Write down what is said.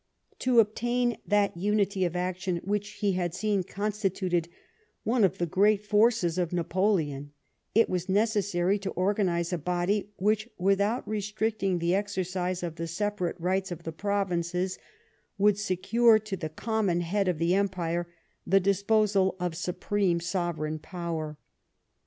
To obtain that unity of action whicli, he had seen, constituted one of the great forces of Napoleon, it was necessary to organise a body which, without restricting the exercise of the separate rights of the provinces, should secure to the common head of the Empire the disposal of supreme sovereign power.